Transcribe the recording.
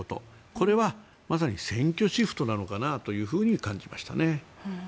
これはまさに選挙シフトなのかなと感じましたね。